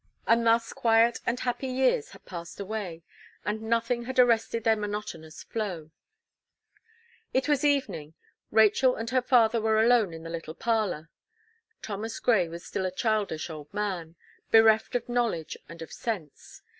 And thus quiet and happy years had passed away, and nothing had arrested their monotonous flow. It was evening, Rachel and her father were alone in the little parlour. Thomas Gray was still a childish old man, bereft of knowledge and of sense.